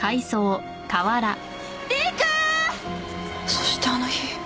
そしてあの日。